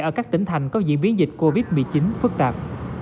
ở các tỉnh thành có diễn biến dịch covid một mươi chín phức tạp